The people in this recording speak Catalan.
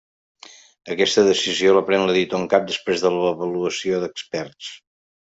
Aquesta decisió la pren l'editor en cap després de l'avaluació d'experts.